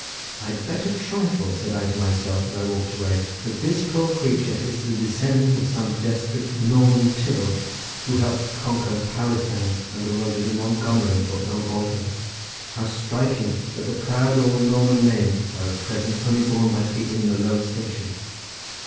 "I'd bet a trifle," said I to myself, as I walked away, "that this poor creature is the descendant of some desperate Norman Tibault who helped to conquer Powisland under Roger de Montgomery, or Earl Baldwin. How striking that the proud old Norman names are at present only borne by people in the lowest station.